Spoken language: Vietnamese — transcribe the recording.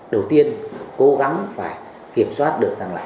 đầu tiên cố gắng phải kiểm soát được rằng là